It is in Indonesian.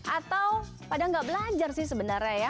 atau pada nggak belajar sih sebenarnya ya